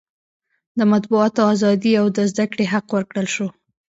د مطبوعاتو ازادي او د زده کړې حق ورکړل شو.